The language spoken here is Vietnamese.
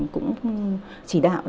cũng chỉ đạo